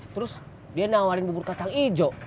terus dia nawarin bubur kacang hijau